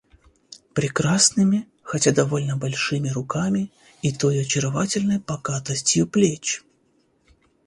прекрасными, хотя довольно большими руками и той очаровательной покатостью плеч,